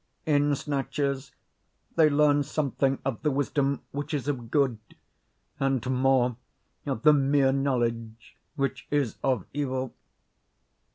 In snatches, they learn something of the wisdom which is of good, and more of the mere knowledge which is of evil.